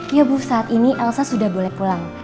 ya bu saat ini elsa sudah boleh pulang